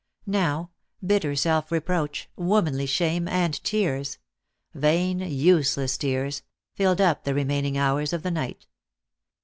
Now, bitter self reproach, womanly shame, and tears vain, useless tears filled up the remaining hours of the night.